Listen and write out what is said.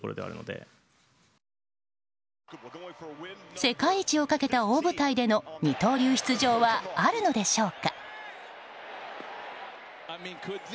世界一をかけた大舞台での二刀流出場はあるのでしょうか。